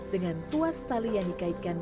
dengan tuas tali yang dikaitkan